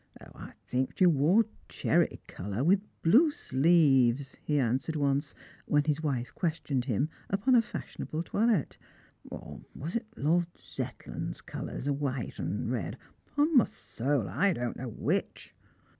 " I think she wore cherry colour, with blue sleeves," he answered once, when his wife questioned him upon a fashionable toilette; "or was it Lord Zetland's colours, white and red? Upon my soul I don't know which."